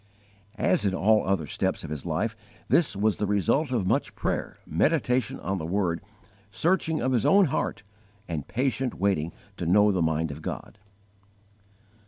As in all other steps of his life, this was the result of much prayer, meditation on the Word, searching of his own heart, and patient waiting to know the mind of God.